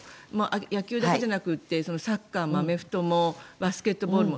野球だけじゃなくてサッカーもアメフトもバスケットボールも。